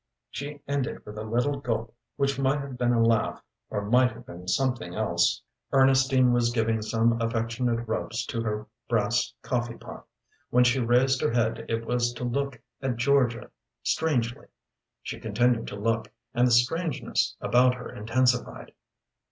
she ended with a little gulp which might have been a laugh or might have been something else. Ernestine was giving some affectionate rubs to her brass coffee pot. When she raised her head it was to look at Georgia strangely. She continued to look, and the strangeness about her intensified.